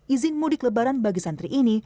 izin mudik lebaran bagi santri ini